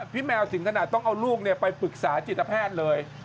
แมวถึงขนาดต้องเอาลูกไปปรึกษาจิตแพทย์เลย